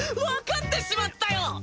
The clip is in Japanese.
分かってしまったよ。